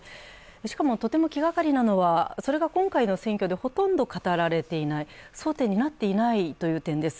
しかも、とても気がかりなのはそれが今回の選挙でほとんど語られていない争点になっていないという点です。